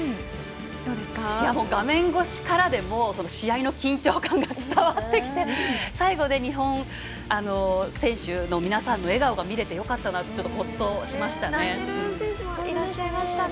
画面越しからでも試合の緊張感が伝わってきて最後、日本選手の皆さんの笑顔が見れてよかったなってほっとしましたね。